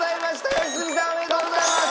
良純さんおめでとうございます！